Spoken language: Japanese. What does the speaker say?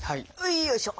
よいしょ！